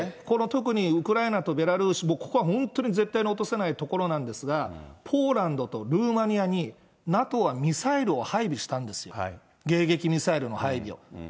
この特にウクライナとベラルーシ、ここは本当に絶対に落とせない所なんですが、ポーランドとルーマニアに、ＮＡＴＯはミサイルを配備したんですよ、迎撃ミサイルの配備を。